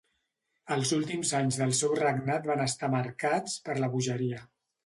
Els últims anys del seu regnat van estar marcats per la bogeria.